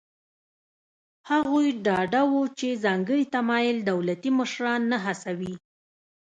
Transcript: هغوی ډاډه وو چې ځانګړی تمایل دولتي مشران نه هڅوي.